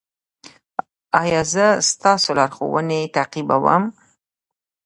ایا زه ستاسو لارښوونې تعقیبوم؟